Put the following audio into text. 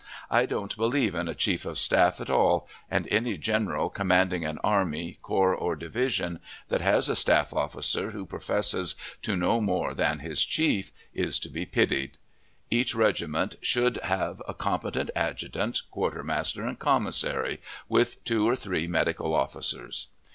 I don't believe in a chief of staff at all, and any general commanding an army, corps, or division, that has a staff officer who professes to know more than his chief, is to be pitied. Each regiment should have a competent adjutant, quartermaster, and commissary, with two or three medical officers.